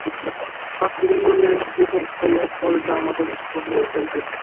পাঁচটি দিন কঠিন ক্রিকেট খেলে ফলটা আমাদের দিকে নিয়ে আসতে চাই।